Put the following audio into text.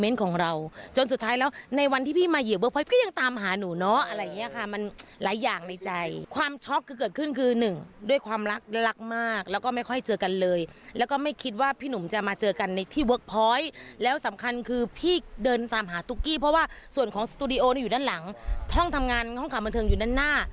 ลองไปฟังเสียงดูค่ะ